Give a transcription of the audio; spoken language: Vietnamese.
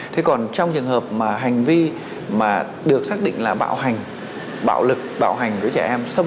thế còn trong trường hợp mà hành vi mà được xác định là bạo hành bạo lực bạo hành với trẻ em xâm